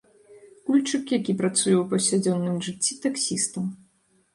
Кульчык, які працуе ў паўсядзённым жыцці таксістам.